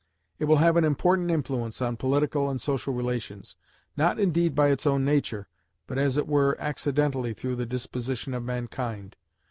It will have an important influence on political and social relations; not indeed by its own nature, but as it were accidentally through the disposition of mankind.